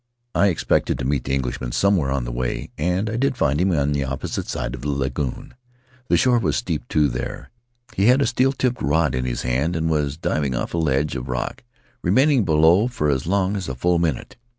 I expected to meet the Englishman somewhere on the way, and I did find him on the opposite side of the lagoon. The shore was steep to there. He had a steel tipped rod in his hand and was diving off a ledge of rock, remaining below for as long as a full minute.